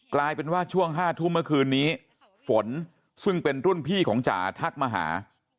กลายเป็นว่าช่วง๕ทุ่มเมื่อคืนนี้ฝนซึ่งเป็นรุ่นพี่ของจ๋าทักมาหา